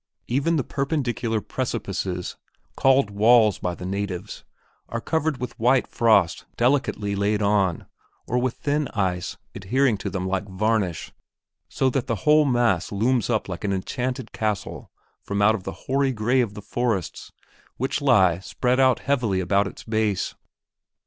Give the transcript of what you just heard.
Even the perpendicular precipices, called walls by the natives, are covered with white frost delicately laid on, or with thin ice adhering to them like varnish, so that the whole mass looms up like an enchanted castle from out of the hoary gray of the forests which lie spread out heavily about its base.